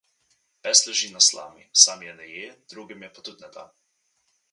Pes leži na slami; sam je ne je, drugim je pa tudi ne da.